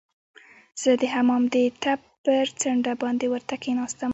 زه د حمام د ټپ پر څنډه باندې ورته کښیناستم.